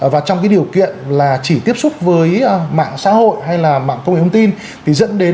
và trong cái điều kiện là chỉ tiếp xúc với mạng xã hội hay là mạng công nghệ thông tin